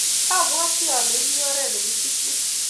abawatii ale imii oret nekiskyi.